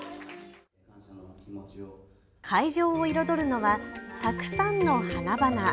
会場を彩るのはたくさんの花々。